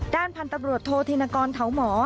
ด้านพันธุ์ตำรวจโทษธินกรเถาหมอ